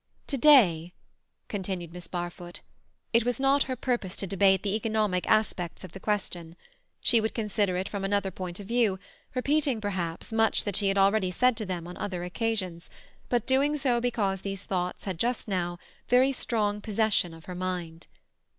To day, continued Miss Barfoot, it was not her purpose to debate the economic aspects of the question. She would consider it from another point of view, repeating, perhaps, much that she had already said to them on other occasions, but doing so because these thoughts had just now very strong possession of her mind.